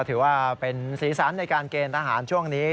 ถือว่าเป็นสีสันในการเกณฑ์ทหารช่วงนี้